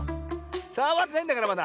さわってないんだからまだ。